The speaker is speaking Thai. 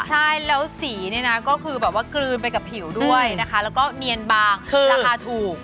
ใช่แล้วสีเนี่ยนะก็คือแบบว่ากลืนไปกับผิวด้วยนะคะแล้วก็เนียนบางราคาถูก